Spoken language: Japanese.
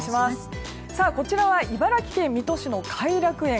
こちらは茨城県水戸市の偕楽園。